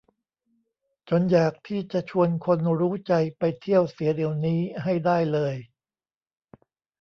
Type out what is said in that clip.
จนอยากที่จะชวนคนรู้ใจไปเที่ยวเสียเดี๋ยวนี้ให้ได้เลย